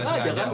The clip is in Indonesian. gak sengaja kan